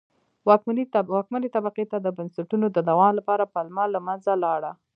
واکمنې طبقې ته د بنسټونو د دوام لپاره پلمه له منځه لاړه.